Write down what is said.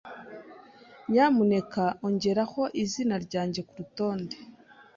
Nyamuneka ongeraho izina ryanjye kurutonde.